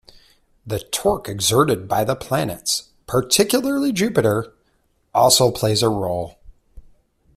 The torque exerted by the planets, particularly Jupiter, also plays a role.